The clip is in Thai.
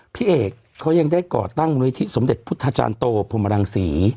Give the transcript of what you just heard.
พี่เอกเขายังได้ก่อตั้งมูลนิธิสมเด็จพุทธาจารย์โตพรมรังศรี